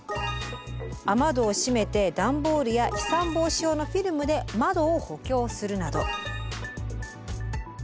雨戸を閉めてダンボールや飛散防止用のフィルムで窓を補強するなど。